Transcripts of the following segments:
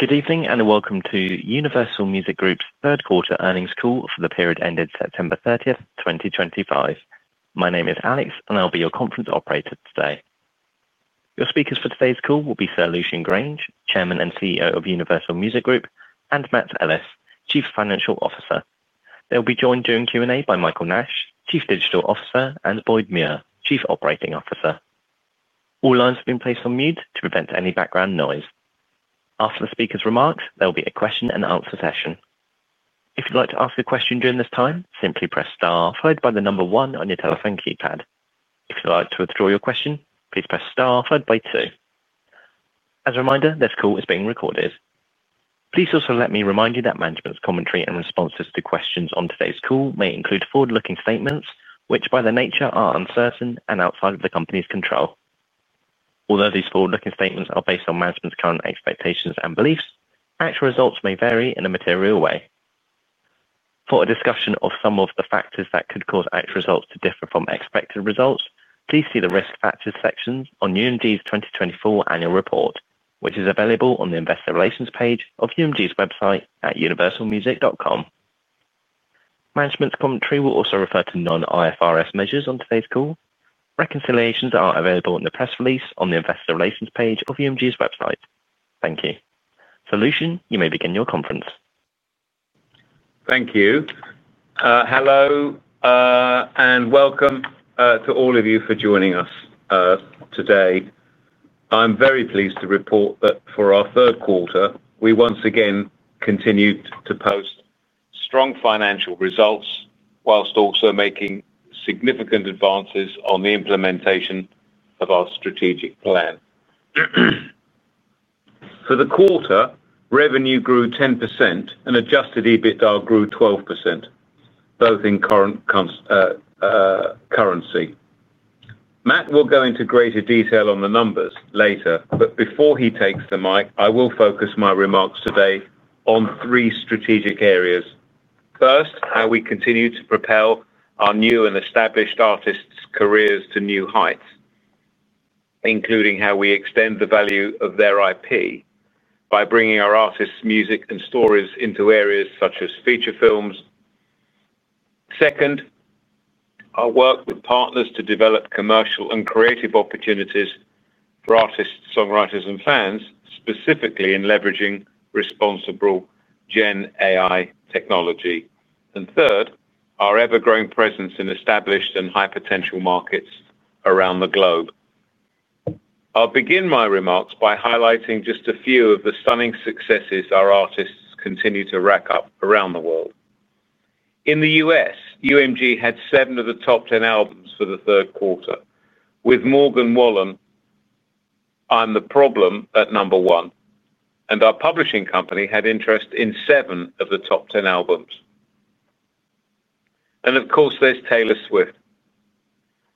Good evening and welcome to Universal Music Group's third-quarter earnings call for the period ending September 30, 2025. My name is Alex, and I'll be your conference operator today. Your speakers for today's call will be Sir Lucian Grainge, Chairman and CEO of Universal Music Group, and Matt Ellis, Chief Financial Officer. They'll be joined during Q&A by Michael Nash, Chief Digital Officer, and Boyd Muir, Chief Operating Officer. All lines have been placed on mute to prevent any background noise. After the speakers' remarks, there will be a question-and-answer session. If you'd like to ask a question during this time, simply press star followed by the number one on your telephone keypad. If you'd like to withdraw your question, please press star followed by two. As a reminder, this call is being recorded. Please also let me remind you that management's commentary and responses to questions on today's call may include forward-looking statements which, by their nature, are uncertain and outside of the company's control. Although these forward-looking statements are based on management's current expectations and beliefs, actual results may vary in a material way. For a discussion of some of the factors that could cause actual results to differ from expected results, please see the risk factors sections on UMG's 2024 annual report, which is available on the Investor Relations page of UMG's website at universalmusic.com. Management's commentary will also refer to non-IFRS measures on today's call. Reconciliations are available in the press release on the Investor Relations page of UMG's website. Thank you. Sir Lucian, you may begin your conference. Thank you. Hello, and welcome to all of you for joining us today. I'm very pleased to report that for our third quarter, we once again continued to post strong financial results whilst also making significant advances on the implementation of our strategic plan. For the quarter, revenue grew 10% and adjusted EBITDA grew 12%, both in current currency. Matt will go into greater detail on the numbers later, but before he takes the mic, I will focus my remarks today on three strategic areas. First, how we continue to propel our new and established artists' careers to new heights, including how we extend the value of their IP by bringing our artists' music and stories into areas such as feature films. Second, our work with partners to develop commercial and creative opportunities for artists, songwriters, and fans, specifically in leveraging responsible GenAI technology. Third, our ever-growing presence in established and high-potential markets around the globe. I'll begin my remarks by highlighting just a few of the stunning successes our artists continue to rack up around the world. In the U.S., UMG had seven of the top ten albums for the third quarter, with Morgan Wallen, I'm the Problem at number one, and our publishing company had interest in seven of the top ten albums. Of course, there's Taylor Swift.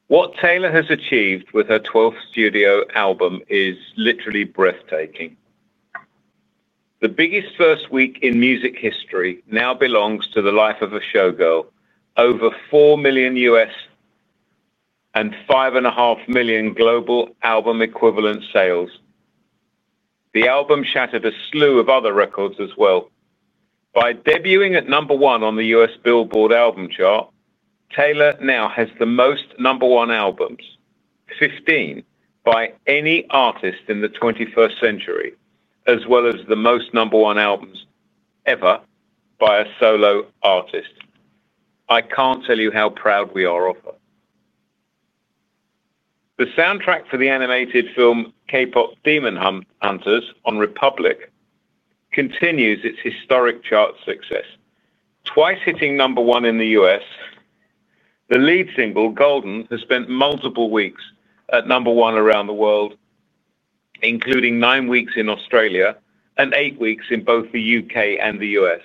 What Taylor has achieved with her 12th studio album is literally breathtaking. The biggest first week in music history now belongs to The Life of a Showgirl: over 4 million U.S. and 5.5 million global album equivalent sales. The album shattered a slew of other records as well. By debuting at number one on the U.S. Billboard album chart, Taylor now has the most number one albums, 15, by any artist in the 21st century, as well as the most number one albums ever by a solo artist. I can't tell you how proud we are of her. The soundtrack for the animated film K-pop Demon Hunters on Republic continues its historic chart success, twice hitting number one in the U.S. The lead single, Golden, has spent multiple weeks at number one around the world, including nine weeks in Australia and eight weeks in both the U.K. and the U.S.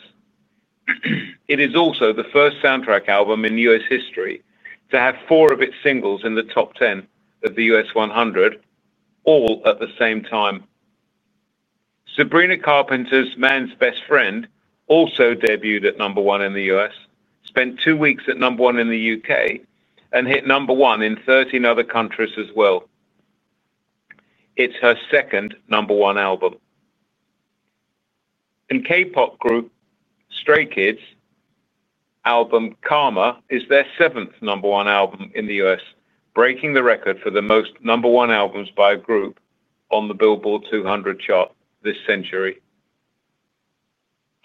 It is also the first soundtrack album in U.S. history to have four of its singles in the top ten of the U.S. 100, all at the same time. Sabrina Carpenter's Man's Best Friend also debuted at number one in the U.S., spent two weeks at number one in the U.K., and hit number one in 13 other countries as well. It's her second number one album. K-pop group Stray Kids' album Karma is their seventh number one album in the U.S., breaking the record for the most number one albums by a group on the Billboard 200 chart this century.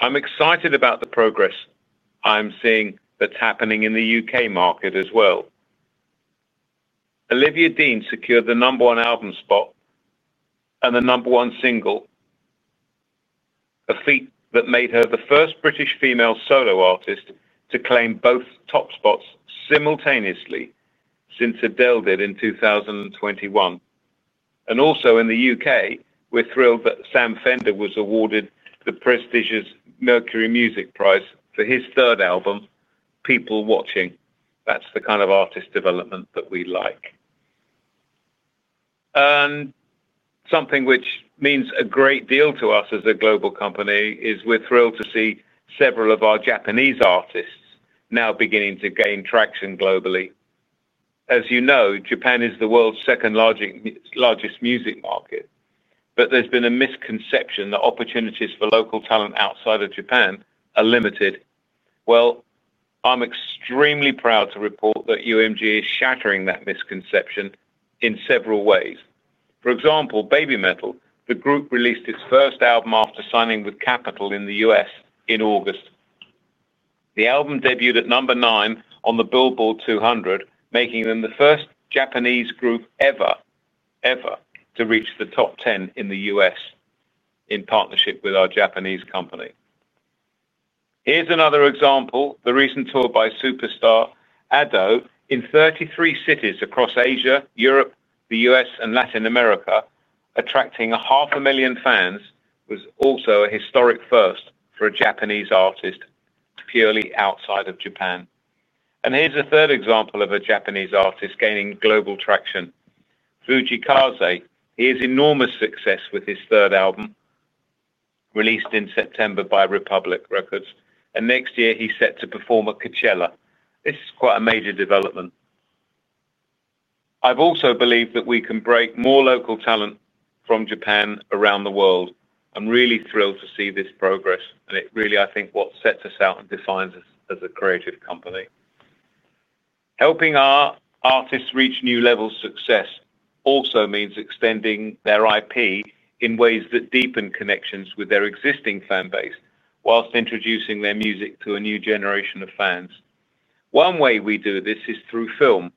I'm excited about the progress I'm seeing that's happening in the U.K. market as well. Olivia Dean secured the number one album spot and the number one single, a feat that made her the first British female solo artist to claim both top spots simultaneously since Adele did in 2021. Also in the U.K., we're thrilled that Sam Fender was awarded the prestigious Mercury Music Prize for his third album, People Watching. That's the kind of artist development that we like. Something which means a great deal to us as a global company is we're thrilled to see several of our Japanese artists now beginning to gain traction globally. As you know, Japan is the world's second largest music market, but there's been a misconception that opportunities for local talent outside of Japan are limited. I'm extremely proud to report that UMG is shattering that misconception in several ways. For example, BABYMETAL released its first album after signing with Capitol in the U.S. in August. The album debuted at number nine on the Billboard 200, making them the first Japanese group ever to reach the top 10 in the U.S. In partnership with our Japanese company, here's another example: the recent tour by superstar Ado in 33 cities across Asia, Europe, the U.S., and Latin America, attracting half a million fans, was also a historic first for a Japanese artist purely outside of Japan. Here's a third example of a Japanese artist gaining global traction: FujiI Kaze. His enormous success with his third album, released in September by Republic Records, and next year he's set to perform at Coachella. This is quite a major development. I've also believed that we can break more local talent from Japan around the world. I'm really thrilled to see this progress, and it really, I think, is what sets us out and defines us as a creative company. Helping our artists reach new levels of success also means extending their IP in ways that deepen connections with their existing fan base whilst introducing their music to a new generation of fans. One way we do this is through film.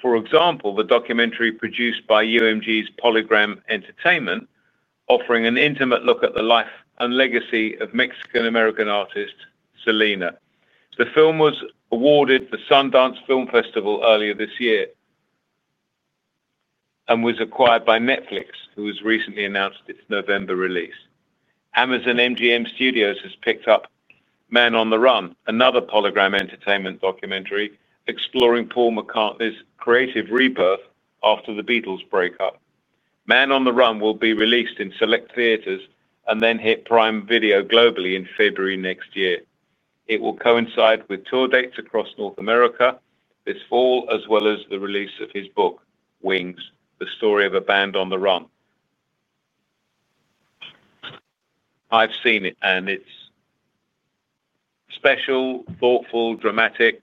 For example, the documentary produced by UMG's Polygram Entertainment, offering an intimate look at the life and legacy of Mexican-American artist Selena. The film was awarded at the Sundance Film Festival earlier this year and was acquired by Netflix, who has recently announced its November release. Amazon MGM Studios has picked up Man on the Run, another Polygram Entertainment documentary exploring Paul McCartney's creative rebirth after the Beatles' breakup. Man on the Run will be released in select theaters and then hit Prime Video globally in February next year. It will coincide with tour dates across North America this fall, as well as the release of his book, Wings: The Story of a Band on the Run. I've seen it, and it's special, thoughtful, dramatic,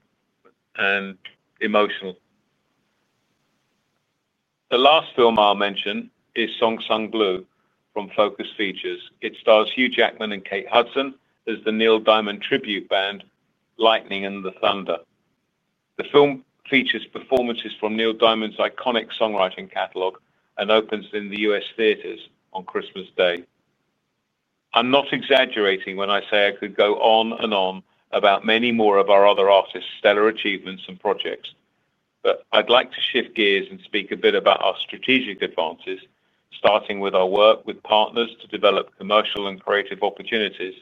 and emotional. The last film I'll mention is Song Sang Blue from Focus Features. It stars Hugh Jackman and Kate Hudson as the Neil Diamond tribute band, Lightning and the Thunder. The film features performances from Neil Diamond's iconic songwriting catalog and opens in U.S. theaters on Christmas Day. I'm not exaggerating when I say I could go on and on about many more of our other artists' stellar achievements and projects, but I'd like to shift gears and speak a bit about our strategic advances, starting with our work with partners to develop commercial and creative opportunities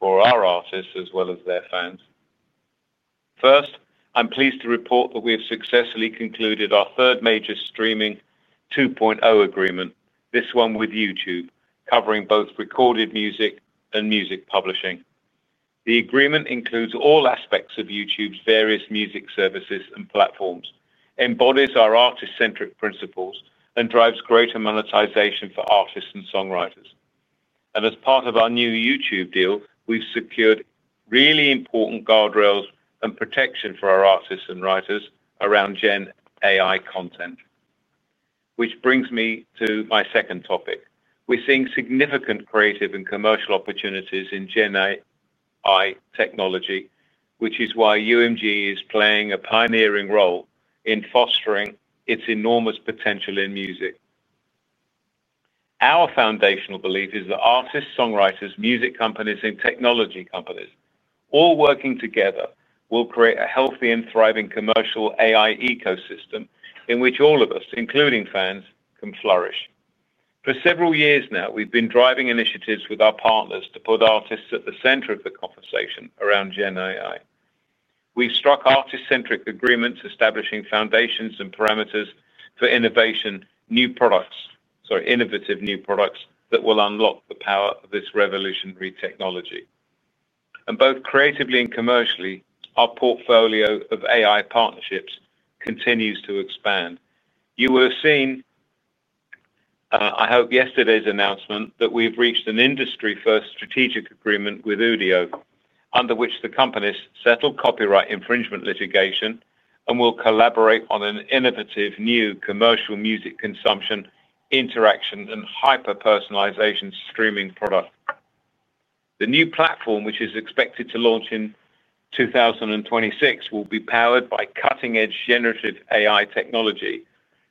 for our artists as well as their fans. First, I'm pleased to report that we have successfully concluded our third major Streaming 2.0 agreement, this one with YouTube, covering both recorded music and music publishing. The agreement includes all aspects of YouTube's various music services and platforms, embodies our artist-centric principles, and drives greater monetization for artists and songwriters. As part of our new YouTube deal, we've secured really important guardrails and protection for our artists and writers around gen AI content. This brings me to my second topic. We're seeing significant creative and commercial opportunities in gen AI technology, which is why UMG is playing a pioneering role in fostering its enormous potential in music. Our foundational belief is that artists, songwriters, music companies, and technology companies all working together will create a healthy and thriving commercial AI ecosystem in which all of us, including fans, can flourish. For several years now, we've been driving initiatives with our partners to put artists at the center of the conversation around gen AI. We've struck artist-centric agreements, establishing foundations and parameters for innovation, innovative new products that will unlock the power of this revolutionary technology. Both creatively and commercially, our portfolio of AI partnerships continues to expand. You will have seen, I hope, yesterday's announcement that we've reached an industry-first strategic agreement with Udio, under which the company has settled copyright infringement litigation and will collaborate on an innovative new commercial music consumption interaction and hyper-personalization streaming product. The new platform, which is expected to launch in 2026, will be powered by cutting-edge generative AI technology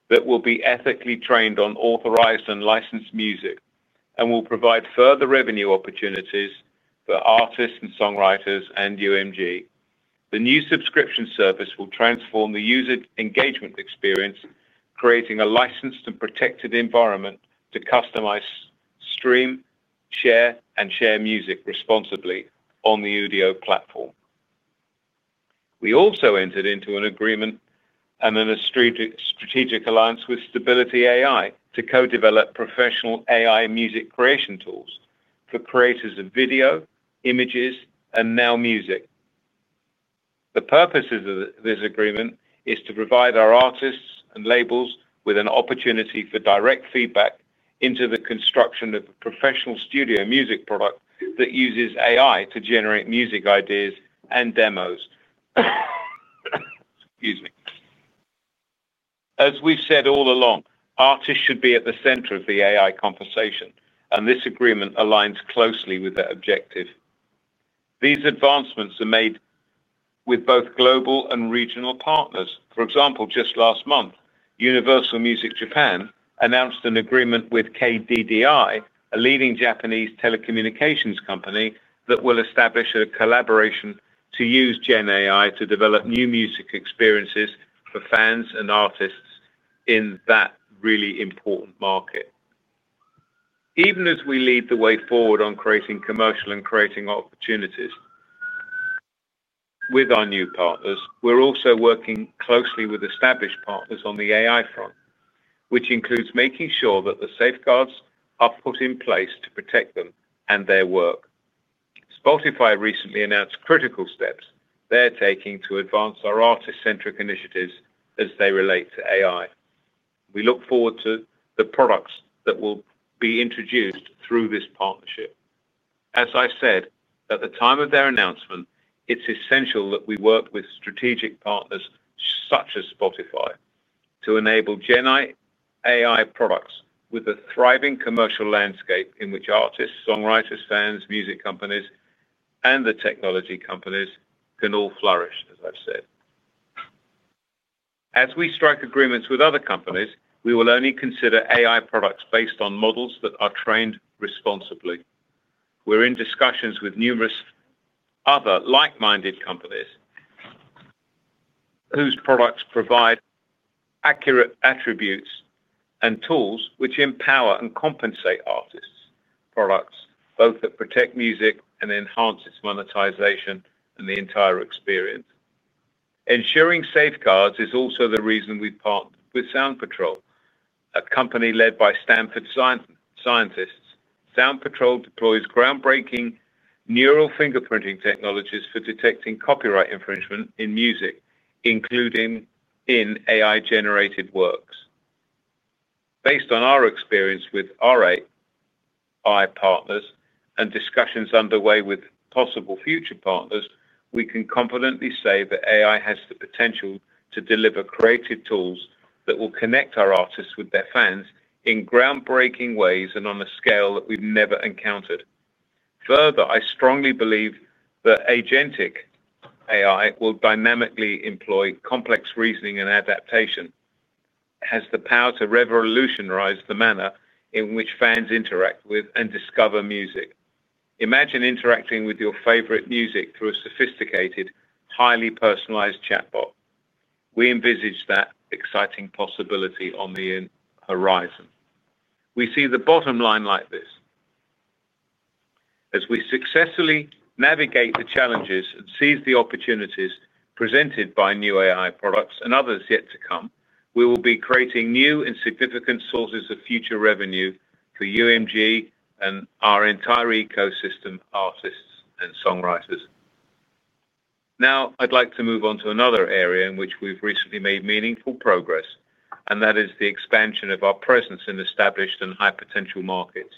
that will be ethically trained on authorized and licensed music and will provide further revenue opportunities for artists and songwriters and UMG. The new subscription service will transform the user engagement experience, creating a licensed and protected environment to customize, stream, and share music responsibly on the Udio platform. We also entered into an agreement and then a strategic alliance with Stability AI to co-develop professional AI music creation tools for creators of video, images, and now music. The purposes of this agreement are to provide our artists and labels with an opportunity for direct feedback into the construction of a professional studio music product that uses AI to generate music ideas and demos. As we've said all along, artists should be at the center of the AI conversation, and this agreement aligns closely with that objective. These advancements are made with both global and regional partners. For example, just last month, Universal Music Japan announced an agreement with KDDI, a leading Japanese telecommunications company, that will establish a collaboration to use gen AI to develop new music experiences for fans and artists in that really important market. Even as we lead the way forward on creating commercial and creating opportunities with our new partners, we're also working closely with established partners on the AI front, which includes making sure that the safeguards are put in place to protect them and their work. Spotify recently announced critical steps they're taking to advance our artist-centric initiatives as they relate to AI. We look forward to the products that will be introduced through this partnership. As I said, at the time of their announcement, it's essential that we work with strategic partners such as Spotify to enable gen AI products with a thriving commercial landscape in which artists, songwriters, fans, music companies, and the technology companies can all flourish, as I've said. As we strike agreements with other companies, we will only consider AI products based on models that are trained responsibly. We're in discussions with numerous other like-minded companies whose products provide accurate attributes and tools which empower and compensate artists' products, both that protect music and enhance its monetization and the entire experience. Ensuring safeguards is also the reason we've partnered with SoundLabs, a company led by Stanford scientists. SoundLabs deploys groundbreaking neural fingerprinting technologies for detecting copyright infringement in music, including in AI-generated works. Based on our experience with our AI partners and discussions underway with possible future partners, we can confidently say that AI has the potential to deliver creative tools that will connect our artists with their fans in groundbreaking ways and on a scale that we've never encountered. Further, I strongly believe that Agentic AI will dynamically employ complex reasoning and adaptation. It has the power to revolutionize the manner in which fans interact with and discover music. Imagine interacting with your favorite music through a sophisticated, highly personalized chatbot. We envisage that exciting possibility on the horizon. We see the bottom line like this. As we successfully navigate the challenges and seize the opportunities presented by new AI products and others yet to come, we will be creating new and significant sources of future revenue for UMG and our entire ecosystem: artists and songwriters. Now, I'd like to move on to another area in which we've recently made meaningful progress, and that is the expansion of our presence in established and high-potential markets.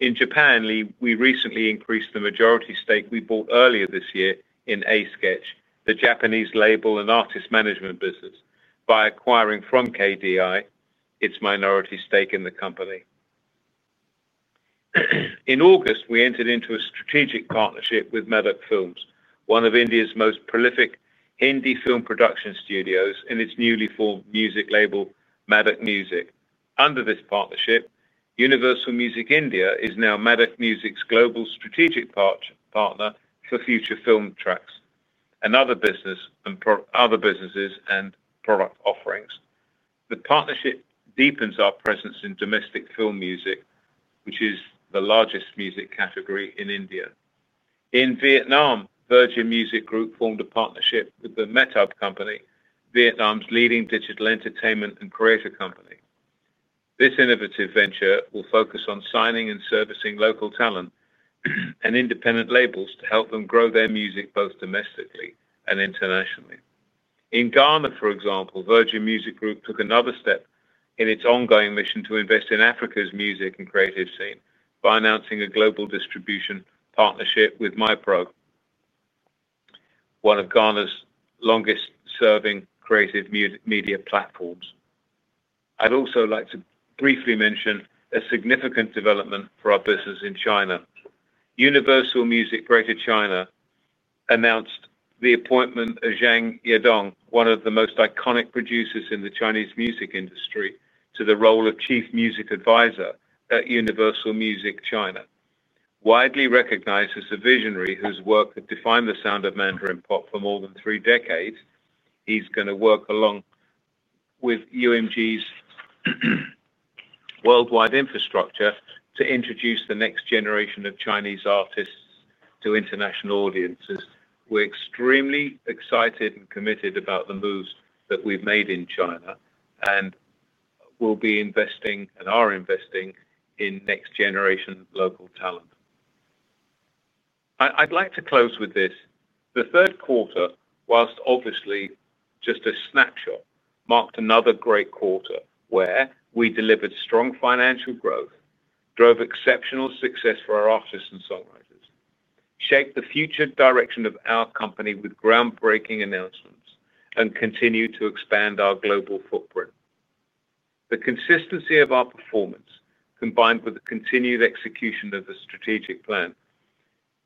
In Japan, we recently increased the majority stake we bought earlier this year in Asketch, the Japanese label and artist management business, by acquiring from KDDI its minority stake in the company. In August, we entered into a strategic partnership with Maddock Films, one of India's most prolific Hindi film production studios and its newly formed music label, Maddock Music. Under this partnership. Universal Music India is now Maddock Music's global strategic partner for future film tracks, another business and other businesses and product offerings. The partnership deepens our presence in domestic film music, which is the largest music category in India. In Vietnam, Virgin Music Group formed a partnership with the Metub Company, Vietnam's leading digital entertainment and creative company. This innovative venture will focus on signing and servicing local talent and independent labels to help them grow their music both domestically and internationally. In Ghana, for example, Virgin Music Group took another step in its ongoing mission to invest in Africa's music and creative scene by announcing a global distribution partnership with MyPro, one of Ghana's longest-serving creative media platforms. I'd also like to briefly mention a significant development for our business in China. Universal Music Greater China announced the appointment of Zhang Yadong, one of the most iconic producers in the Chinese music industry, to the role of Chief Music Advisor at Universal Music China. Widely recognized as a visionary whose work has defined the sound of Mandarin pop for more than three decades, he's going to work along with UMG's worldwide infrastructure to introduce the next generation of Chinese artists to international audiences. We're extremely excited and committed about the moves that we've made in China and will be investing and are investing in next-generation local talent. I'd like to close with this: the third quarter, whilst obviously just a snapshot, marked another great quarter where we delivered strong financial growth, drove exceptional success for our artists and songwriters, shaped the future direction of our company with groundbreaking announcements, and continued to expand our global footprint. The consistency of our performance, combined with the continued execution of the strategic plan,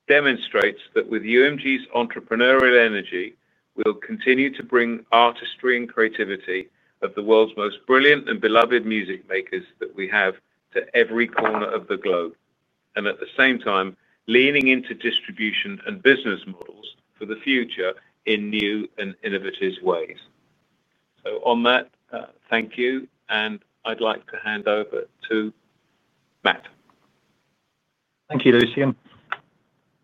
demonstrates that with UMG's entrepreneurial energy, we'll continue to bring artistry and creativity of the world's most brilliant and beloved music makers that we have to every corner of the globe, and at the same time, leaning into distribution and business models for the future in new and innovative ways. Thank you, and I'd like to hand over to Matt. Thank you, Lucian.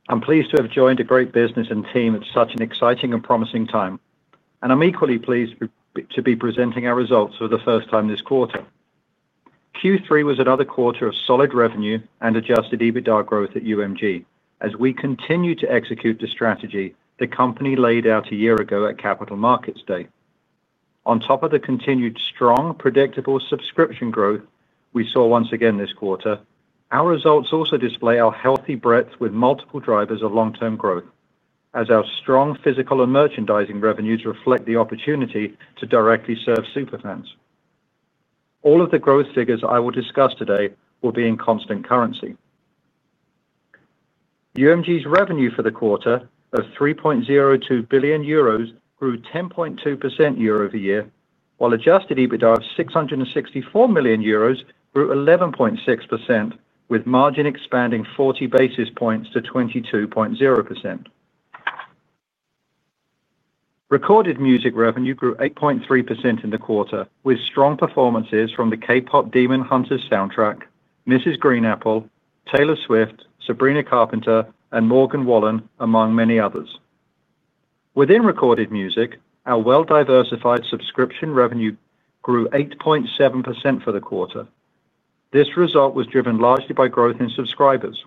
I'm pleased to have joined a great business and team at such an exciting and promising time, and I'm equally pleased to be presenting our results for the first time this quarter. Q3 was another quarter of solid revenue and adjusted EBITDA growth at UMG as we continue to execute the strategy the company laid out a year ago at Capital Markets Day. On top of the continued strong, predictable subscription growth we saw once again this quarter, our results also display our healthy breadth with multiple drivers of long-term growth, as our strong physical and merchandising revenues reflect the opportunity to directly serve superfans. All of the growth figures I will discuss today will be in constant currency. UMG's revenue for the quarter of 3.02 billion euros grew 10.2% year-over-year, while adjusted EBITDA of 664 million euros grew 11.6%, with margin expanding 40 basis points to 22.0%. Recorded music revenue grew 8.3% in the quarter, with strong performances from the K-pop group Stray Kids, Mrs. Green Apple, Taylor Swift, Sabrina Carpenter, and Morgan Wallen, among many others. Within recorded music, our well-diversified subscription revenue grew 8.7% for the quarter. This result was driven largely by growth in subscribers.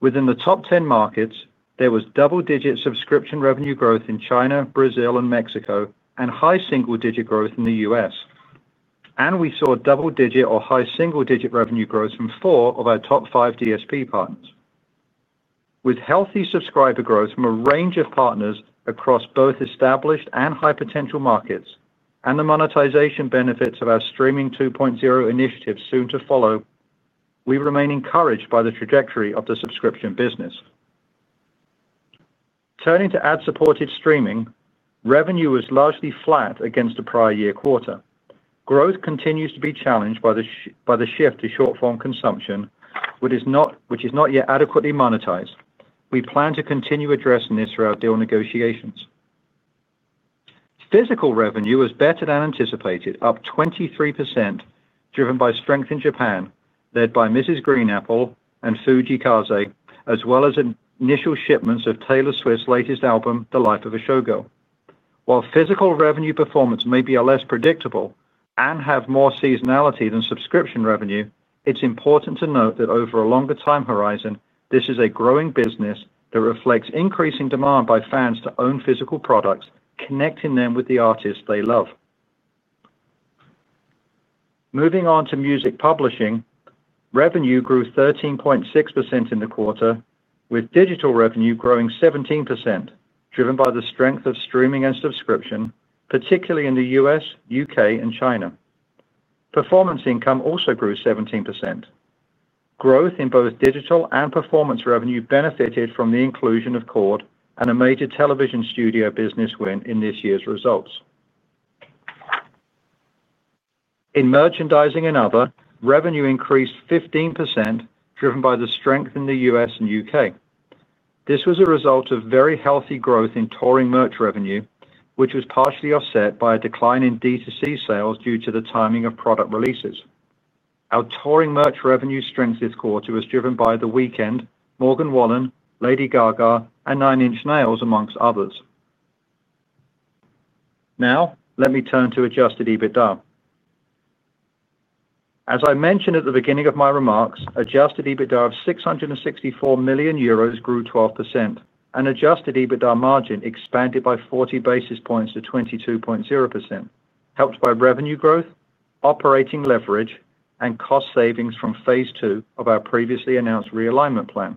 Within the top 10 markets, there was double-digit subscription revenue growth in China, Brazil, and Mexico, and high single-digit growth in the U.S. We saw double-digit or high single-digit revenue growth from four of our top five DSP partners, with healthy subscriber growth from a range of partners across both established and high-potential markets and the monetization benefits of our Streaming 2.0 initiatives soon to follow. We remain encouraged by the trajectory of the subscription business. Turning to ad-supported streaming, revenue was largely flat against the prior year quarter. Growth continues to be challenged by the shift to short-form consumption, which is not yet adequately monetized. We plan to continue addressing this throughout deal negotiations. Physical revenue was better than anticipated, up 23%, driven by strength in Japan, led by Mrs. Green Apple and Fujii Kaze, as well as initial shipments of Taylor Swift's latest album, The Life of a Showgirl. While physical revenue performance may be less predictable and have more seasonality than subscription revenue, it's important to note that over a longer time horizon, this is a growing business that reflects increasing demand by fans to own physical products, connecting them with the artists they love. Moving on to music publishing, revenue grew 13.6% in the quarter, with digital revenue growing 17%, driven by the strength of streaming and subscription, particularly in the U.S., U.K., and China. Performance income also grew 17%. Growth in both digital and performance revenue benefited from the inclusion of Kord and a major television studio business win in this year's results. In merchandising and other, revenue increased 15%, driven by the strength in the U.S. and U.K. This was a result of very healthy growth in touring merch revenue, which was partially offset by a decline in D2C sales due to the timing of product releases. Our touring merch revenue strength this quarter was driven by The Weeknd, Morgan Wallen, Lady Gaga, and Nine Inch Nails, amongst others. Now, let me turn to adjusted EBITDA. As I mentioned at the beginning of my remarks, adjusted EBITDA of 664 million euros grew 12%, and adjusted EBITDA margin expanded by 40 basis points to 22.0%, helped by revenue growth, operating leverage, and cost savings from phase two of our previously announced realignment plan.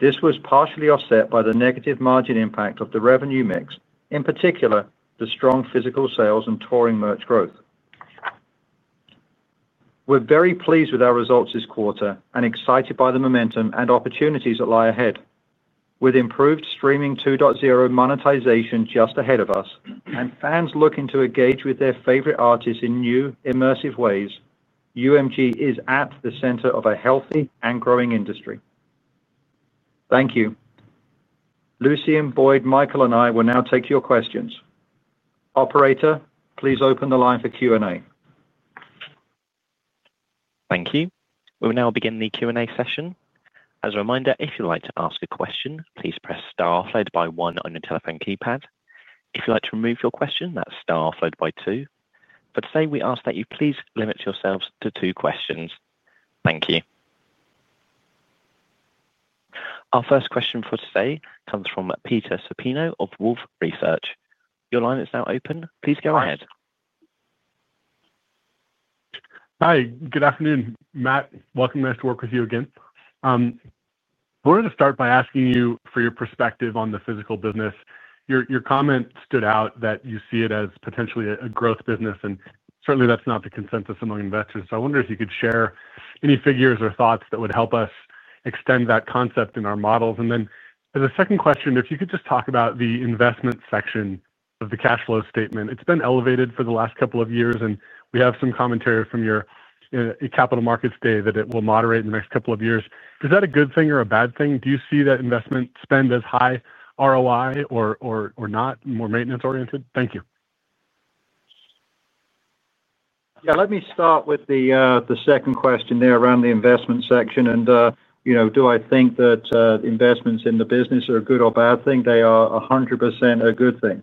This was partially offset by the negative margin impact of the revenue mix, in particular the strong physical sales and touring merch growth. We're very pleased with our results this quarter and excited by the momentum and opportunities that lie ahead. With improved Streaming 2.0 monetization just ahead of us and fans looking to engage with their favorite artists in new, immersive ways, UMG is at the center of a healthy and growing industry. Thank you. Lucian, Boyd, Michael, and I will now take your questions. Operator, please open the line for Q&A. Thank you. We will now begin the Q&A session. As a reminder, if you'd like to ask a question, please press star followed by one on your telephone keypad. If you'd like to remove your question, that's star followed by two. For today, we ask that you please limit yourselves to two questions. Thank you. Our first question for today comes from Peter Supino of Wolfe Research. Your line is now open. Please go ahead. Hi. Good afternoon, Matt. Welcome to work with you again. We're going to start by asking you for your perspective on the physical business. Your comment stood out that you see it as potentially a growth business, and certainly that's not the consensus among investors. I wonder if you could share any figures or thoughts that would help us extend that concept in our models. As a second question, if you could just talk about the investment section of the cash flow statement. It's been elevated for the last couple of years, and we have some commentary from your Capital Markets Day that it will moderate in the next couple of years. Is that a good thing or a bad thing? Do you see that investment spend as high ROI or not, more maintenance-oriented? Thank you. Let me start with the second question there around the investment section. Do I think that investments in the business are a good or bad thing? They are 100% a good thing.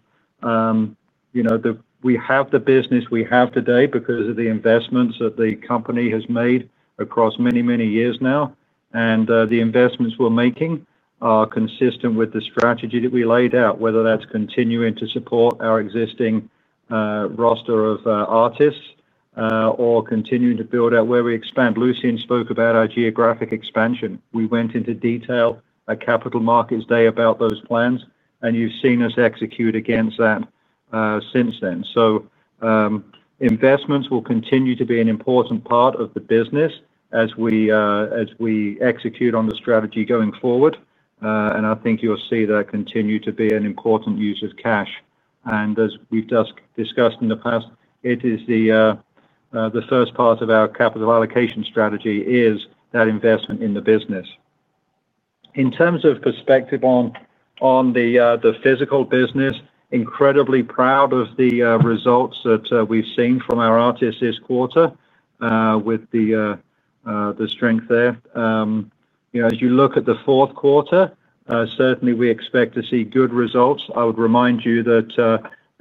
We have the business we have today because of the investments that the company has made across many, many years now, and the investments we're making are consistent with the strategy that we laid out, whether that's continuing to support our existing roster of artists or continuing to build out where we expand. Lucian spoke about our geographic expansion. We went into detail at Capital Markets Day about those plans, and you've seen us execute against that since then. Investments will continue to be an important part of the business as we execute on the strategy going forward, and I think you'll see that continue to be an important use of cash. As we've discussed in the past, it is the first part of our capital allocation strategy, that investment in the business. In terms of perspective on the physical business, incredibly proud of the results that we've seen from our artists this quarter with the strength there. As you look at the fourth quarter, certainly we expect to see good results. I would remind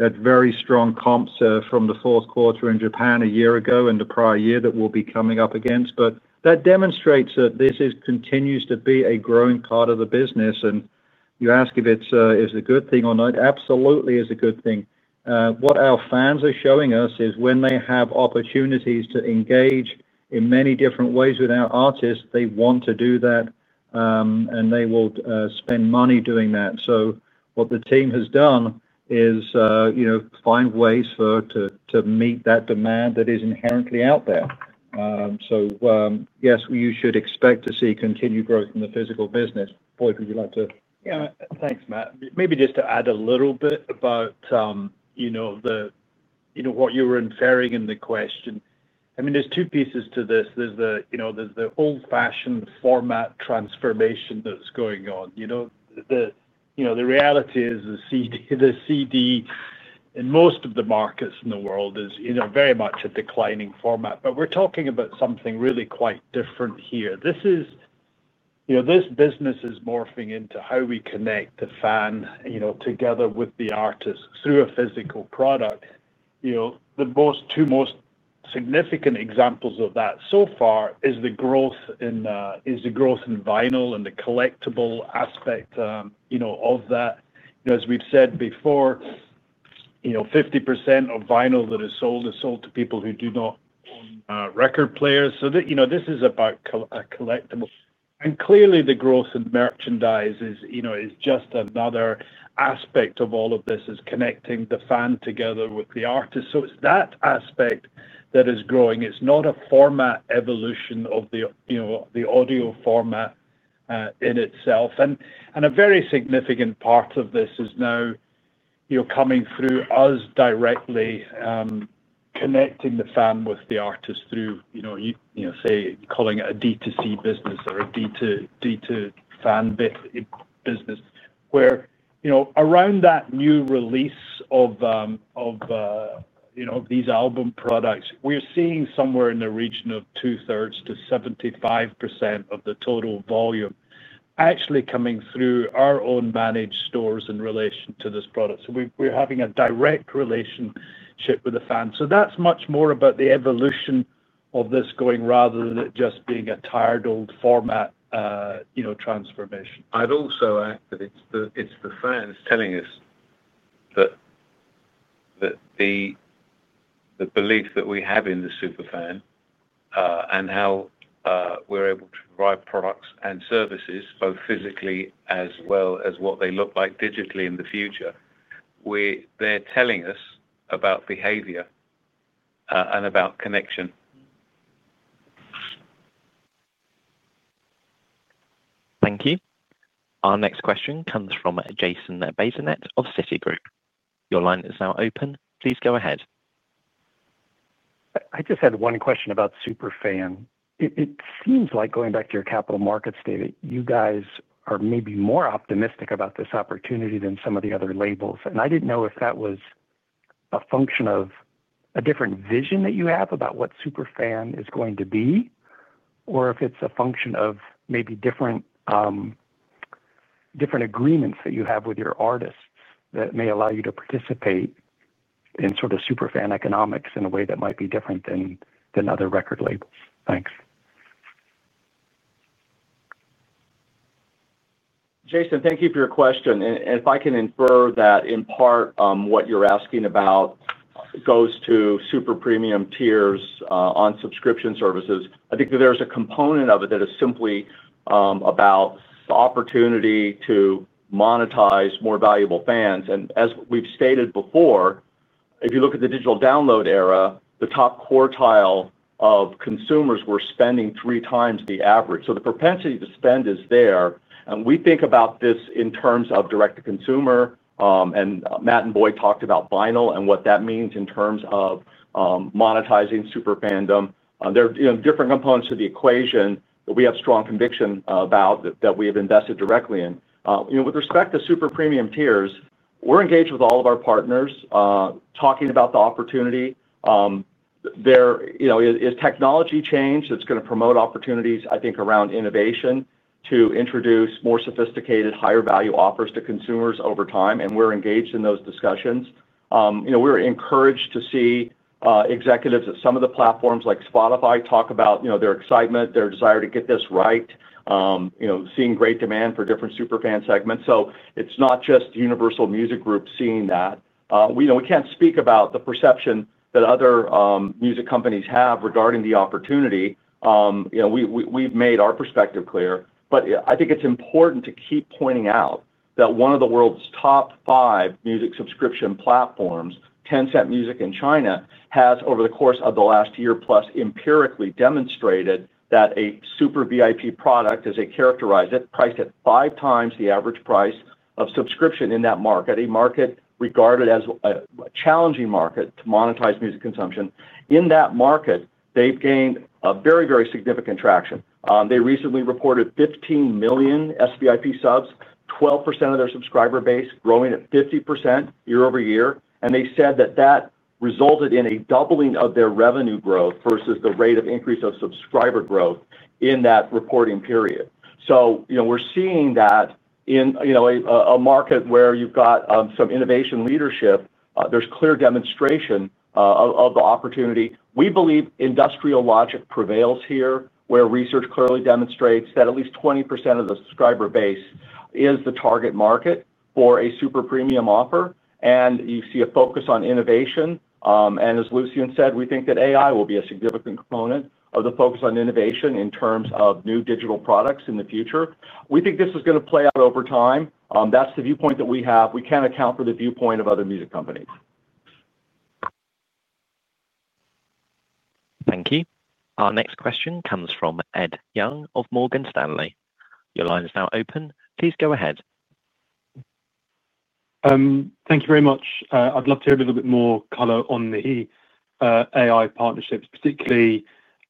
you that very strong comps from the fourth quarter in Japan a year ago and the prior year that we'll be coming up against, but that demonstrates that this continues to be a growing part of the business. You ask if it's a good thing or not, it absolutely is a good thing. What our fans are showing us is when they have opportunities to engage in many different ways with our artists, they want to do that, and they will spend money doing that. What the team has done is find ways to meet that demand that is inherently out there. Yes, you should expect to see continued growth in the physical business. Boyd, would you like to? Yeah, thanks, Matt. Maybe just to add a little bit about what you were inferring in the question. I mean, there's two pieces to this. There's the old-fashioned format transformation that's going on. The reality is the CD in most of the markets in the world is very much a declining format, but we're talking about something really quite different here. This business is morphing into how we connect the fan together with the artist through a physical product. The two most significant examples of that so far is the growth in vinyl and the collectible aspect of that. As we've said before, 50% of vinyl that is sold is sold to people who do not own record players. This is about a collectible. Clearly, the growth in merchandise is just another aspect of all of this connecting the fan together with the artist. It's that aspect that is growing. It's not a format evolution of the audio format in itself. A very significant part of this is now coming through us directly, connecting the fan with the artist through, say, calling it a D2C business or a D2 fan business, where around that new release of these album products, we're seeing somewhere in the region of two-thirds to 75% of the total volume actually coming through our own managed stores in relation to this product. We're having a direct relationship with the fan. That's much more about the evolution of this going rather than it just being a tired old format transformation. I'd also add that it's the fans telling us that the belief that we have in the superfan and how we're able to provide products and services, both physically as well as what they look like digitally in the future. They're telling us about behavior and about connection. Thank you. Our next question comes from Jason Bazinet of Citigroup. Your line is now open. Please go ahead. I just had one question about superfan. It seems like going back to your Capital Markets Day that you guys are maybe more optimistic about this opportunity than some of the other labels. I didn't know if that was a function of a different vision that you have about what superfan is going to be or if it's a function of maybe different agreements that you have with your artists that may allow you to participate in sort of superfan economics in a way that might be different than other record labels. Thanks. Jason, thank you for your question. If I can infer that in part what you're asking about. Goes to super premium tiers on subscription services. I think that there's a component of it that is simply about the opportunity to monetize more valuable fans. As we've stated before, if you look at the digital download era, the top quartile of consumers were spending three times the average. The propensity to spend is there. We think about this in terms of direct-to-consumer. Matt and Boyd talked about vinyl and what that means in terms of monetizing superfandom. There are different components to the equation that we have strong conviction about that we have invested directly in. With respect to super premium tiers, we're engaged with all of our partners talking about the opportunity. There is technology change that's going to promote opportunities, I think, around innovation to introduce more sophisticated, higher-value offers to consumers over time. We're engaged in those discussions. We were encouraged to see executives at some of the platforms like Spotify talk about their excitement, their desire to get this right. Seeing great demand for different superfan segments. It's not just Universal Music Group seeing that. We can't speak about the perception that other music companies have regarding the opportunity. We've made our perspective clear. I think it's important to keep pointing out that one of the world's top five music subscription platforms, Tencent Music in China, has over the course of the last year plus empirically demonstrated that a super VIP product is characterized at priced at five times the average price of subscription in that market, a market regarded as a challenging market to monetize music consumption. In that market, they've gained very, very significant traction. They recently reported 15 million SVIP subs, 12% of their subscriber base, growing at 50% year-over-year. They said that resulted in a doubling of their revenue growth versus the rate of increase of subscriber growth in that reporting period. We're seeing that. In a market where you've got some innovation leadership, there's clear demonstration of the opportunity. We believe industrial logic prevails here, where research clearly demonstrates that at least 20% of the subscriber base is the target market for a super premium offer. You see a focus on innovation. As Lucian said, we think that AI will be a significant component of the focus on innovation in terms of new digital products in the future. We think this is going to play out over time. That's the viewpoint that we have. We can't account for the viewpoint of other music companies. Thank you. Our next question comes from Ed Young of Morgan Stanley. Your line is now open. Please go ahead. Thank you very much. I'd love to hear a little bit more color on the AI partnerships, particularly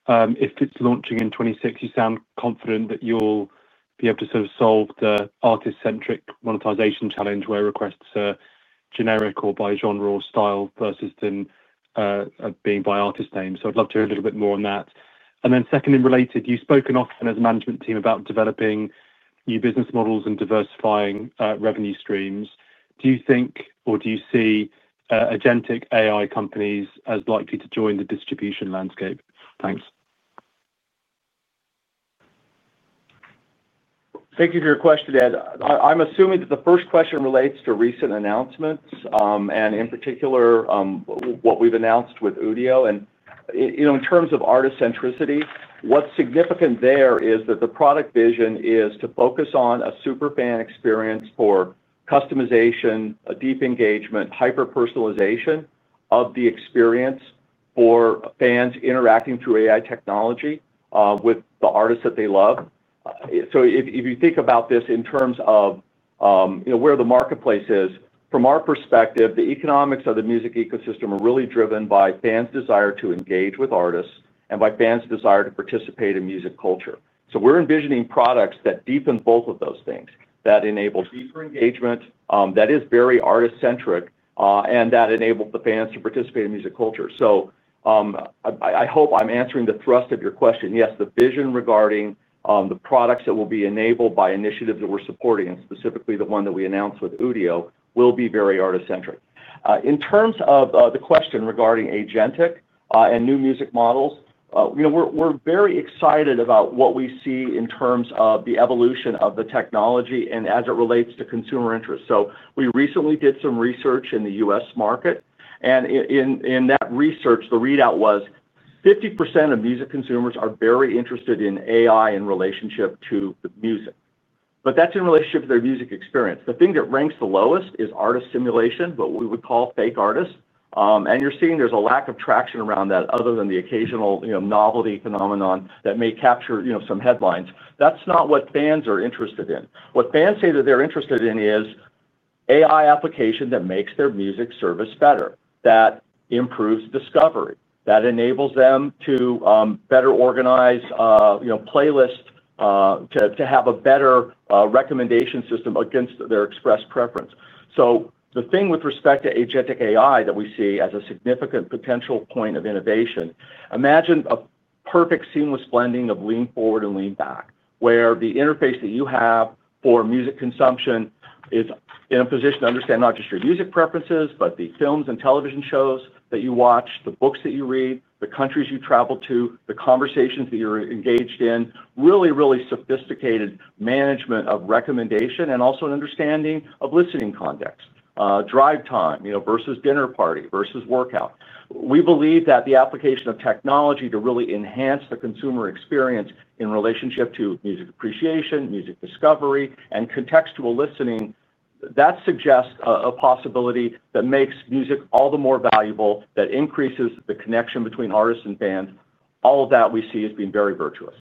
if it's launching in 2060, sound confident that you'll be able to sort of solve the artist-centric monetization challenge where requests are generic or by genre or style versus then being by artist name. I'd love to hear a little bit more on that. Secondly, related, you've spoken often as a management team about developing new business models and diversifying revenue streams. Do you think, or do you see Agentic AI companies as likely to join the distribution landscape? Thanks. Thank you for your question, Ed. I'm assuming that the first question relates to recent announcements and in particular what we've announced with Udio. In terms of artist-centricity, what's significant there is that the product vision is to focus on a superfan experience for customization, deep engagement, hyper-personalization of the experience for fans interacting through AI technology with the artists that they love. If you think about this in terms of where the marketplace is, from our perspective, the economics of the music ecosystem are really driven by fans' desire to engage with artists and by fans' desire to participate in music culture. We're envisioning products that deepen both of those things, that enable deeper engagement, that is very artist-centric, and that enable the fans to participate in music culture. I hope I'm answering the thrust of your question. Yes, the vision regarding the products that will be enabled by initiatives that we're supporting, and specifically the one that we announced with Udio, will be very artist-centric. In terms of the question regarding Agentic and new music models, we're very excited about what we see in terms of the evolution of the technology and as it relates to consumer interest. We recently did some research in the U.S. market. In that research, the readout was 50% of music consumers are very interested in AI in relationship to the music. That's in relationship to their music experience. The thing that ranks the lowest is artist simulation, what we would call fake artists. You're seeing there's a lack of traction around that other than the occasional novelty phenomenon that may capture some headlines. That's not what fans are interested in. What fans say that they're interested in is AI application that makes their music service better, that improves discovery, that enables them to better organize playlists, to have a better recommendation system against their express preference. The thing with respect to Agentic AI that we see as a significant potential point of innovation, imagine a perfect seamless blending of lean forward and lean back, where the interface that you have for music consumption is in a position to understand not just your music preferences, but the films and television shows that you watch, the books that you read, the countries you travel to, the conversations that you're engaged in, really, really sophisticated management of recommendation, and also an understanding of listening context, drive time versus dinner party versus workout. We believe that the application of technology to really enhance the consumer experience in relationship to music appreciation, music discovery, and contextual listening suggests a possibility that makes music all the more valuable, that increases the connection between artists and fans. All of that we see as being very virtuous.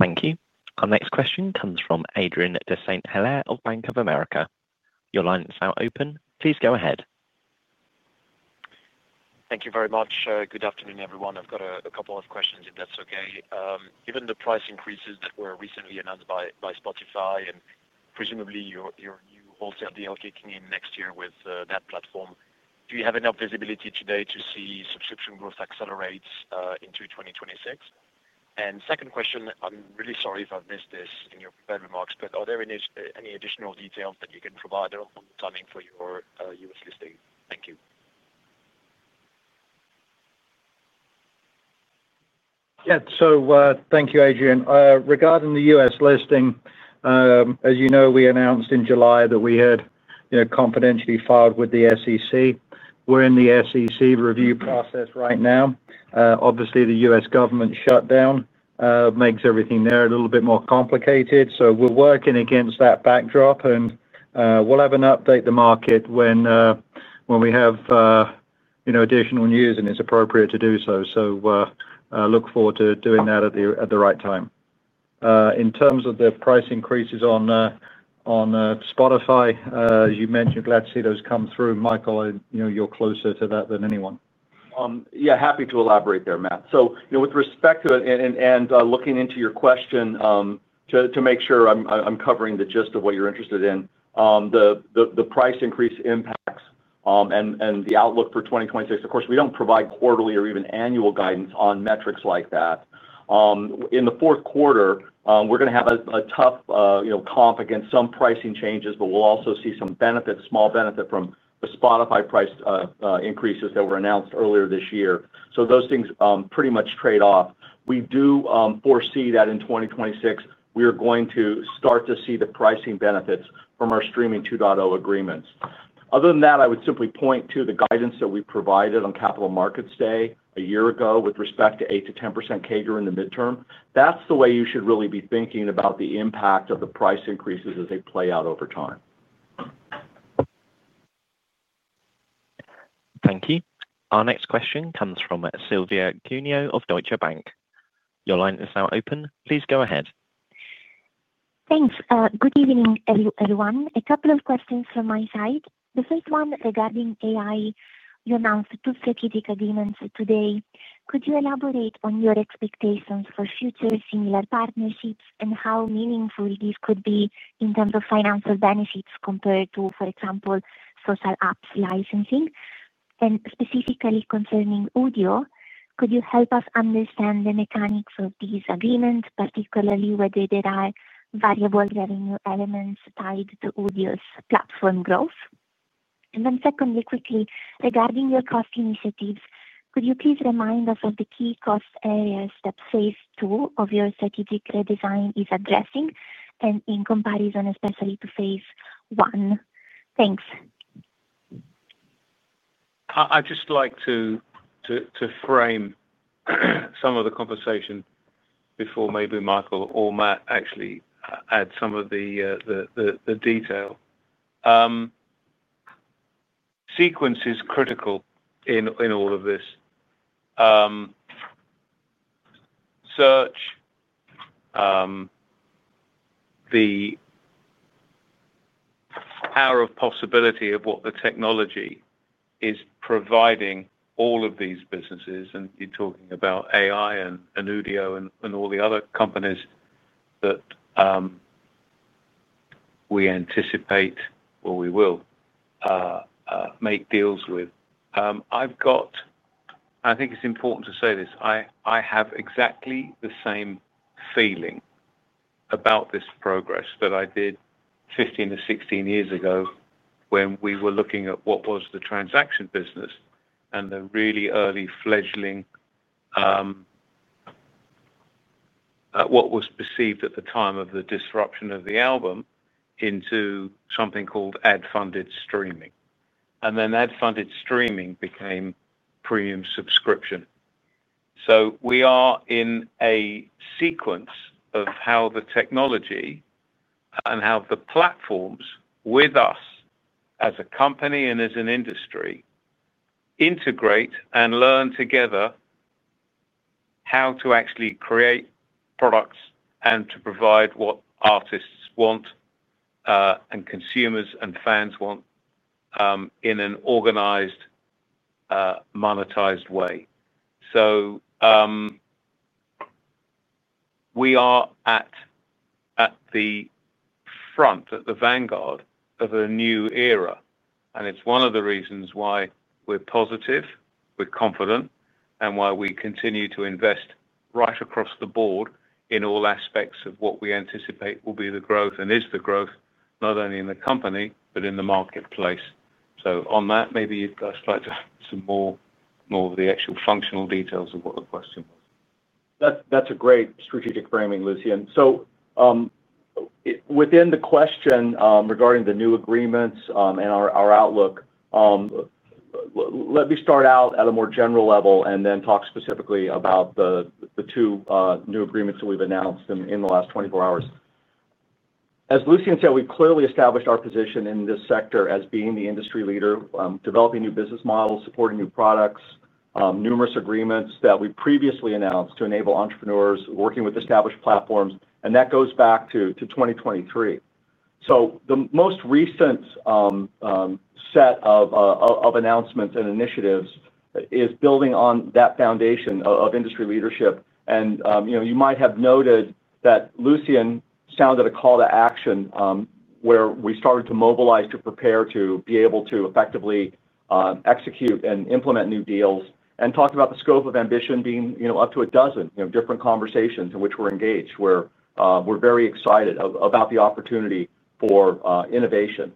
Thank you. Our next question comes from Adrien de Saint Hilaire of Bank of America. Your line is now open. Please go ahead. Thank you very much. Good afternoon, everyone. I've got a couple of questions, if that's okay. Given the price increases that were recently announced by Spotify and presumably your new wholesale deal kicking in next year with that platform, do you have enough visibility today to see subscription growth accelerate into 2026? Second question, I'm really sorry if I've missed this in your prepared remarks, but are there any additional details that you can provide on timing for your U.S. listing? Thank you. Thank you, Adrien. Regarding the U.S. listing, as you know, we announced in July that we had confidentially filed with the SEC. We're in the SEC review process right now. Obviously, the U.S. government shutdown makes everything there a little bit more complicated. We're working against that backdrop and we'll have an update to market when we have additional news and it's appropriate to do so. Look forward to doing that at the right time. In terms of the price increases on. Spotify, as you mentioned, glad to see those come through. Michael, you're closer to that than anyone. Yeah, happy to elaborate there, Matt. With respect to it, and looking into your question, to make sure I'm covering the gist of what you're interested in, the price increase impacts and the outlook for 2026. Of course, we don't provide quarterly or even annual guidance on metrics like that. In the fourth quarter, we're going to have a tough comp against some pricing changes, but we'll also see some small benefit from the Spotify price increases that were announced earlier this year. Those things pretty much trade off. We do foresee that in 2026, we are going to start to see the pricing benefits from our Streaming 2.0 agreements. Other than that, I would simply point to the guidance that we provided on Capital Markets Day a year ago with respect to 8%-10% CAGR in the midterm. That's the way you should really be thinking about the impact of the price increases as they play out over time. Thank you. Our next question comes from Silvia Cuneo of Deutsche Bank. Your line is now open. Please go ahead. Thanks. Good evening, everyone. A couple of questions from my side. The first one regarding AI, you announced two strategic agreements today. Could you elaborate on your expectations for future similar partnerships and how meaningful these could be in terms of financial benefits compared to, for example, social apps licensing? Specifically concerning Udio, could you help us understand the mechanics of these agreements, particularly whether there are variable revenue elements tied to Udio's platform growth? Secondly, quickly, regarding your cost initiatives, could you please remind us of the key cost areas that phase two of your strategic redesign is addressing and in comparison, especially to phase one? Thanks. I'd just like to frame some of the conversation before maybe Michael or Matt actually add some of the detail. Sequence is critical in all of this. The power of possibility of what the technology is providing all of these businesses, and you're talking about AI and Udio and all the other companies that we anticipate or we will make deals with. I think it's important to say this. I have exactly the same feeling about this progress that I did 15 or 16 years ago when we were looking at what was the transaction business and the really early fledgling, what was perceived at the time of the disruption of the album. Into something called ad-funded streaming. Then ad-funded streaming became premium subscription. We are in a sequence of how the technology and how the platforms with us as a company and as an industry integrate and learn together how to actually create products and to provide what artists want and consumers and fans want in an organized, monetized way. We are at the front, at the vanguard of a new era. It's one of the reasons why we're positive, we're confident, and why we continue to invest right across the board in all aspects of what we anticipate will be the growth and is the growth, not only in the company but in the marketplace. On that, maybe you'd like to have some more of the actual functional details of what the question was. That's a great strategic framing, Lucian. Within the question regarding the new agreements and our outlook, let me start out at a more general level and then talk specifically about the two new agreements that we've announced in the last 24 hours. As Lucian said, we've clearly established our position in this sector as being the industry leader, developing new business models, supporting new products, numerous agreements that we previously announced to enable entrepreneurs working with established platforms. That goes back to 2023. The most recent set of announcements and initiatives is building on that foundation of industry leadership. You might have noted that Lucian sounded a call to action where we started to mobilize to prepare to be able to effectively execute and implement new deals and talked about the scope of ambition being up to a dozen different conversations in which we're engaged, where we're very excited about the opportunity for innovation.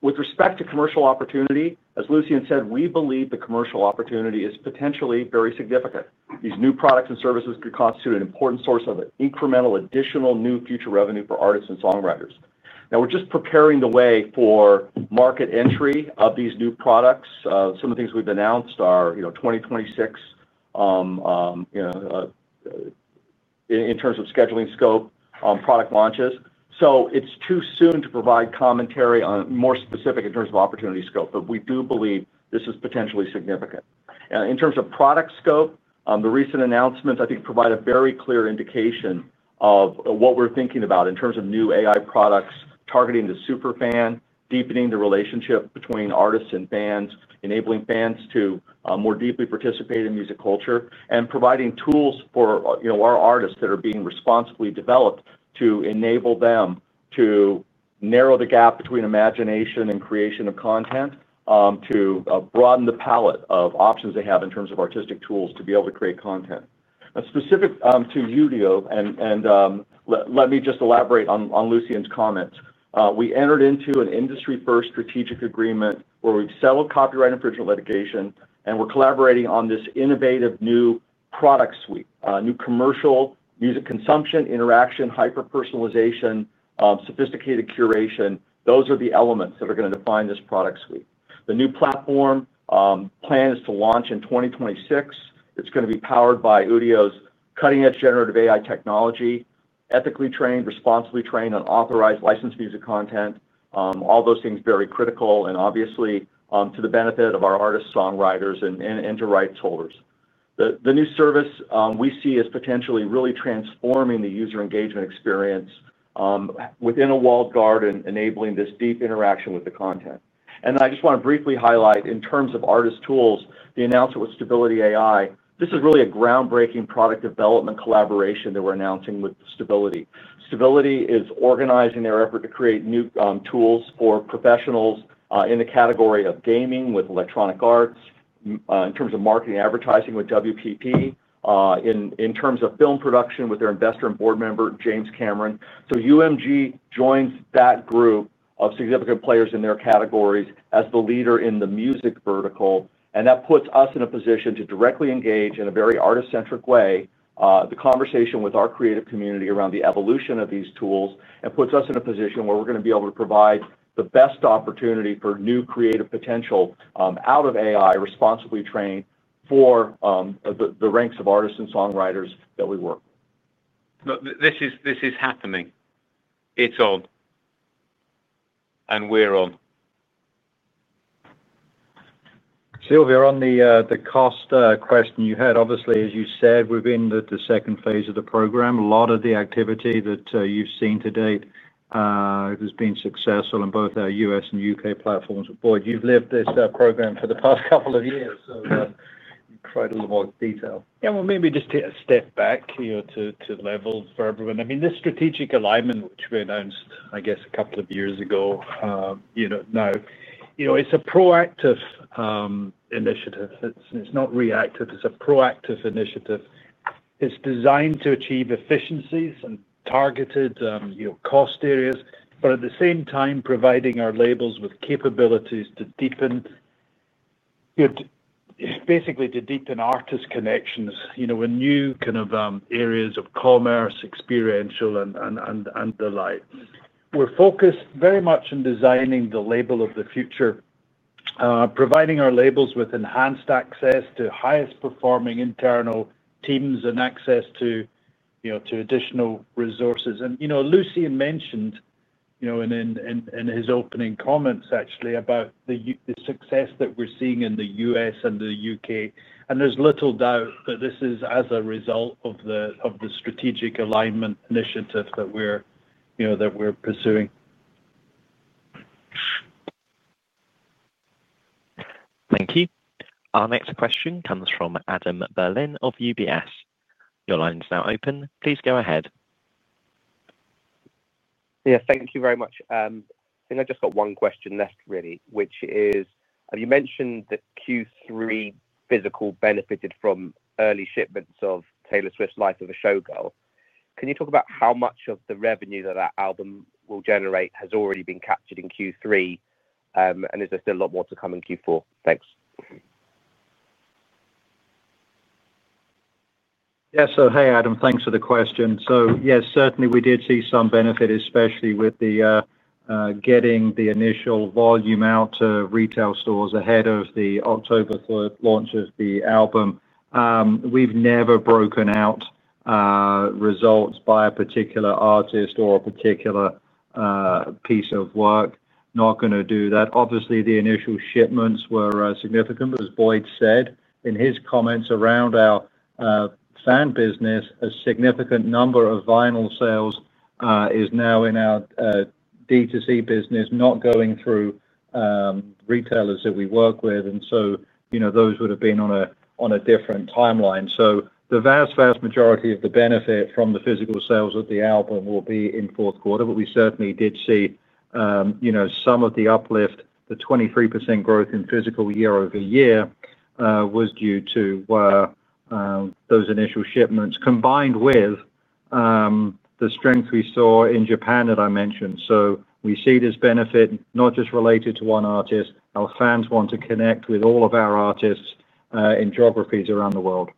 With respect to commercial opportunity, as Lucian said, we believe the commercial opportunity is potentially very significant. These new products and services could constitute an important source of incremental additional new future revenue for artists and songwriters. Now, we're just preparing the way for market entry of these new products. Some of the things we've announced are 2026 in terms of scheduling scope, product launches. It's too soon to provide commentary on more specific in terms of opportunity scope, but we do believe this is potentially significant. In terms of product scope, the recent announcements, I think, provide a very clear indication of what we're thinking about in terms of new AI products targeting the superfan, deepening the relationship between artists and fans, enabling fans to more deeply participate in music culture, and providing tools for our artists that are being responsibly developed to enable them to narrow the gap between imagination and creation of content, to broaden the palette of options they have in terms of artistic tools to be able to create content. Specific to Udio, let me just elaborate on Lucian's comments. We entered into an industry-first strategic agreement where we've settled copyright and free legislation, and we're collaborating on this innovative new product suite, new commercial music consumption, interaction, hyper-personalization, sophisticated curation. Those are the elements that are going to define this product suite. The new platform plan is to launch in 2026. It's going to be powered by Udio's cutting-edge generative AI technology, ethically trained, responsibly trained, and authorized licensed music content. All those things are very critical and obviously to the benefit of our artists, songwriters, and to rights holders. The new service we see as potentially really transforming the user engagement experience. Within a walled garden, enabling this deep interaction with the content. I just want to briefly highlight, in terms of artist tools, the announcement with Stability AI, this is really a groundbreaking product development collaboration that we're announcing with Stability. Stability is organizing their effort to create new tools for professionals in the category of gaming with Electronic Arts, in terms of marketing advertising with WPP, in terms of film production with their investor and board member, James Cameron. UMG joins that group of significant players in their categories as the leader in the music vertical. That puts us in a position to directly engage in a very artist-centric way the conversation with our creative community around the evolution of these tools and puts us in a position where we're going to be able to provide the best opportunity for new creative potential out of AI, responsibly trained for the ranks of artists and songwriters that we work with. This is happening. It's on. We're on. Silvia, on the cost question you had, obviously, as you said, we're in the second phase of the program. A lot of the activity that you've seen to date has been successful in both U.S. and U.K. platforms with Boyd. You've lived this program for the past couple of years, so you've provided a little more detail. Maybe just take a step back here to level for everyone. I mean, this strategic alignment, which we announced, I guess, a couple of years ago now, it's a proactive initiative. It's not reactive. It's a proactive initiative. It's designed to achieve efficiencies in targeted cost areas, but at the same time, providing our labels with capabilities to deepen, basically, to deepen artist connections in new kind of areas of commerce, experiential, and the like. We're focused very much on designing the label of the future, providing our labels with enhanced access to highest performing internal teams and access to additional resources. Lucian mentioned in his opening comments, actually, about the success that we're seeing in the U.S. and the U.K., and there's little doubt that this is as a result of the strategic alignment initiative that we're pursuing. Thank you. Our next question comes from Adam Berlin of UBS. Your line is now open. Please go ahead. Thank you very much. I think I just got one question left, really, which is, you mentioned that Q3 physical benefited from early shipments of Taylor Swift's The Life of a Showgirl. Can you talk about how much of the revenue that that album will generate has already been captured in Q3, and is there still a lot more to come in Q4? Thanks. Hey, Adam, thanks for the question. Yes, certainly, we did see some benefit, especially with getting the initial volume out to retail stores ahead of the October 3rd launch of the album. We've never broken out results by a particular artist or a particular piece of work. Not going to do that. Obviously, the initial shipments were significant, as Boyd said in his comments around our fan business. A significant number of vinyl sales is now in our D2C business, not going through retailers that we work with, and so those would have been on a different timeline. The vast, vast majority of the benefit from the physical sales of the album will be in fourth quarter, but we certainly did see some of the uplift. The 23% growth in physical year-over-year was due to those initial shipments combined with the strength we saw in Japan that I mentioned. We see this benefit not just related to one artist. Our fans want to connect with all of our artists in geographies around the world.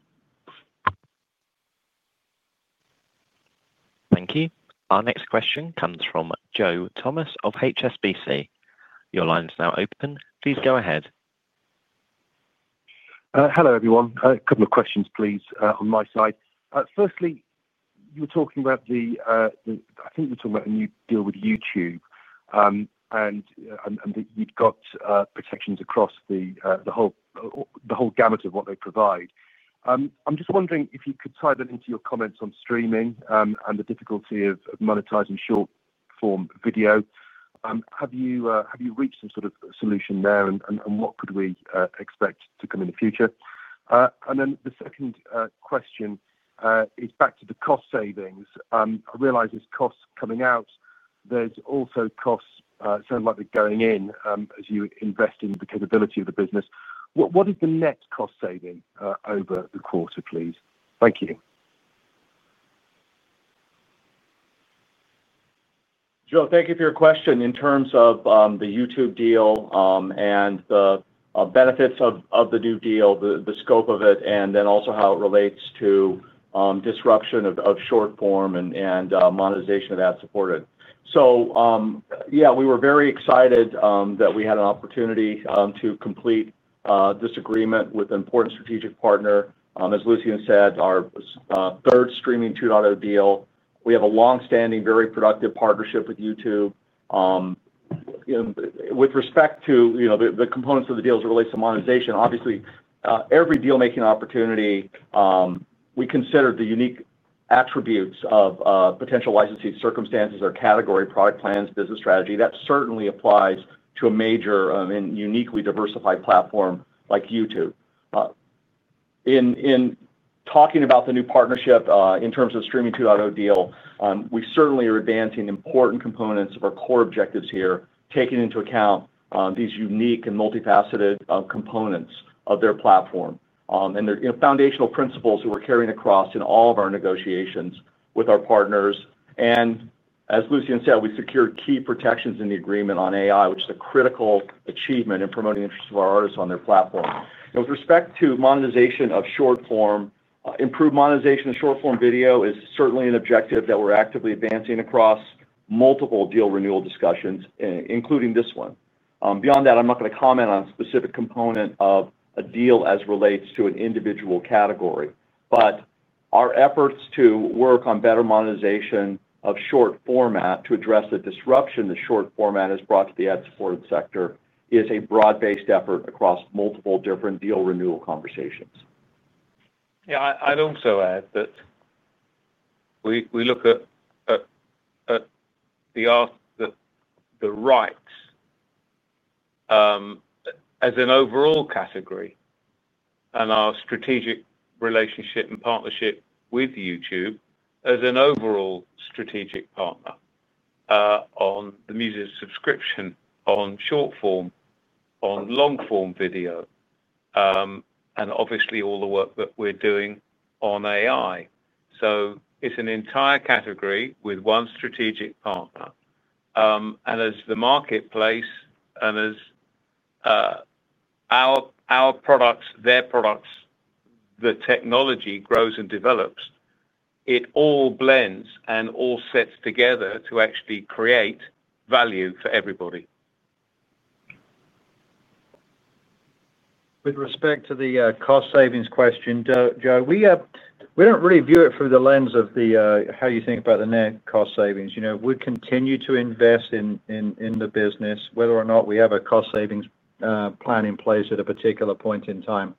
Thank you. Our next question comes from Joe Thomas of HSBC. Your line is now open. Please go ahead. Hello, everyone. A couple of questions, please, on my side. Firstly, you were talking about the, I think you were talking about a new deal with YouTube, and that you've got protections across the whole gamut of what they provide. I'm just wondering if you could tie that into your comments on streaming and the difficulty of monetizing short-form video. Have you reached some sort of solution there, and what could we expect to come in the future? And then the second question is back to the cost savings. I realize there's costs coming out. There's also costs, sounds like they're going in as you invest in the capability of the business. What is the net cost saving over the quarter, please? Thank you. Joe, thank you for your question. In terms of the YouTube deal and the benefits of the new deal, the scope of it, and then also how it relates to disruption of short-form and monetization of that supported. Yeah, we were very excited that we had an opportunity to complete this agreement with an important strategic partner. As Lucian said, our third Streaming 2.0 deal. We have a long-standing, very productive partnership with YouTube. With respect to the components of the deals related to monetization, obviously, every deal-making opportunity, we consider the unique attributes of potential licensing circumstances or category product plans, business strategy. That certainly applies to a major and uniquely diversified platform like YouTube. In talking about the new partnership in terms of Streaming 2.0 deal, we certainly are advancing important components of our core objectives here, taking into account these unique and multifaceted components of their platform and their foundational principles that we're carrying across in all of our negotiations with our partners. As Lucian said, we secured key protections in the agreement on AI, which is a critical achievement in promoting the interest of our artists on their platform. With respect to monetization of short-form, improved monetization of short-form video is certainly an objective that we're actively advancing across multiple deal renewal discussions, including this one. Beyond that, I'm not going to comment on a specific component of a deal as relates to an individual category. Our efforts to work on better monetization of short format to address the disruption that short format has brought to the ad-supported sector is a broad-based effort across multiple different deal renewal conversations. I'd also add that we look at the rights as an overall category and our strategic relationship and partnership with YouTube as an overall strategic partner on the music subscription, on short-form, on long-form video, and obviously all the work that we're doing on AI. It's an entire category with one strategic partner. As the marketplace and as our products, their products, the technology grows and develops, it all blends and all sets together to actually create value for everybody. With respect to the cost savings question, Joe, we don't really view it through the lens of how you think about the net cost savings. We continue to invest in the business, whether or not we have a cost savings plan in place at a particular point in time.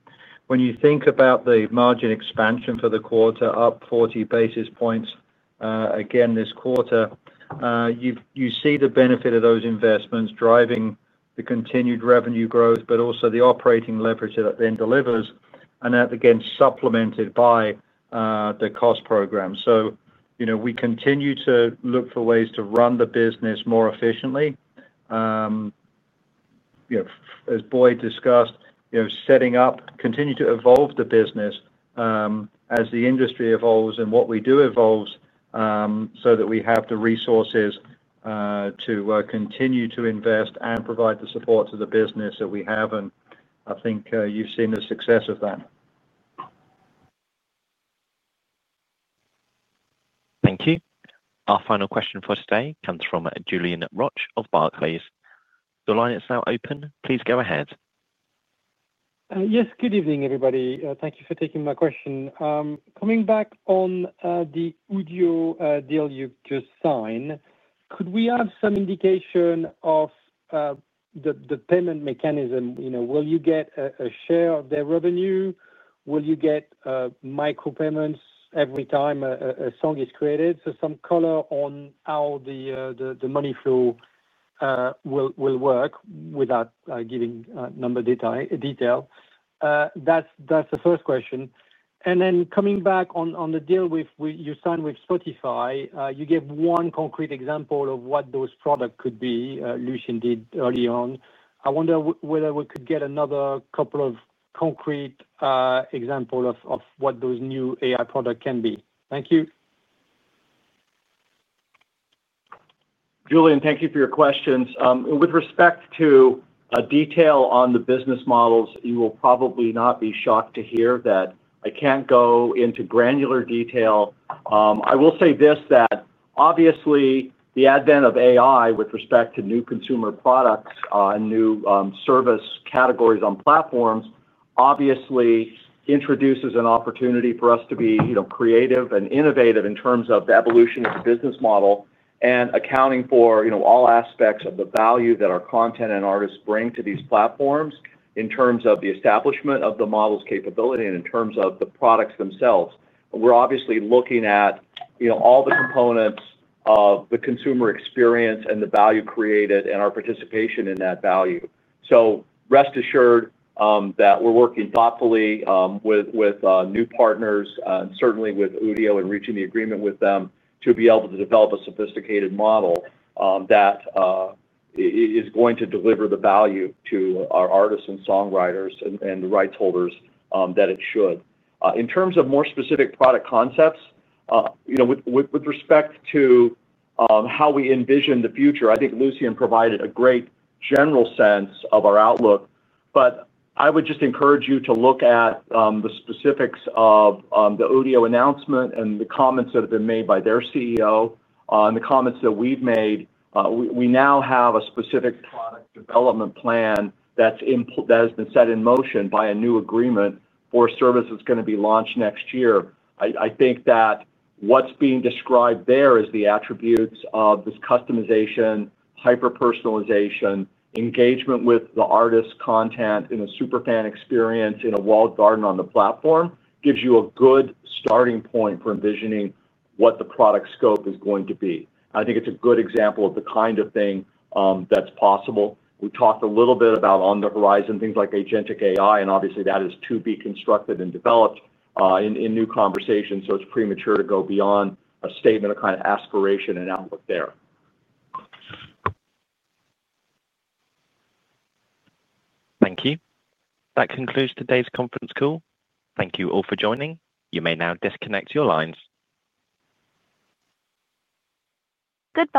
When you think about the margin expansion for the quarter, up 40 basis points again this quarter, you see the benefit of those investments driving the continued revenue growth, but also the operating leverage that then delivers. That, again, supplemented by the cost program. We continue to look for ways to run the business more efficiently. As Boyd discussed, continuing to evolve the business as the industry evolves and what we do evolves so that we have the resources to continue to invest and provide the support to the business that we have. I think you've seen the success of that. Thank you. Our final question for today comes from Julien Roch of Barclays. The line is now open. Please go ahead. Yes. Good evening, everybody. Thank you for taking my question. Coming back on the Udio deal you've just signed, could we have some indication of the payment mechanism? Will you get a share of their revenue? Will you get micro-payments every time a song is created? Some color on how the money flow will work without giving number detail. That's the first question. Coming back on the deal you signed with Spotify, you gave one concrete example of what those products could be. Lucian did early on. I wonder whether we could get another couple of concrete examples of what those new AI products can be. Thank you. Julien, thank you for your questions. With respect to detail on the business models, you will probably not be shocked to hear that. I can't go into granular detail. I will say this, that obviously, the advent of AI with respect to new consumer products and new service categories on platforms obviously introduces an opportunity for us to be creative and innovative in terms of the evolution of the business model and accounting for all aspects of the value that our content and artists bring to these platforms in terms of the establishment of the model's capability and in terms of the products themselves. We're obviously looking at all the components of the consumer experience and the value created and our participation in that value. Rest assured that we're working thoughtfully with new partners and certainly with Udio and reaching the agreement with them to be able to develop a sophisticated model that is going to deliver the value to our artists and songwriters and the rights holders that it should. In terms of more specific product concepts with respect to how we envision the future, I think Lucian provided a great general sense of our outlook. I would just encourage you to look at the specifics of the Udio announcement and the comments that have been made by their CEO and the comments that we've made. We now have a specific product development plan that has been set in motion by a new agreement for a service that's going to be launched next year. I think that what's being described there is the attributes of this customization, hyper-personalization, engagement with the artist content, and a superfan experience in a walled garden on the platform gives you a good starting point for envisioning what the product scope is going to be. I think it's a good example of the kind of thing that's possible. We talked a little bit about on the horizon, things like Agentic AI, and obviously, that is to be constructed and developed in new conversations. It's premature to go beyond a statement of kind of aspiration and outlook there. Thank you. That concludes today's conference call. Thank you all for joining. You may now disconnect your lines. Good.